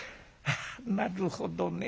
なるほどね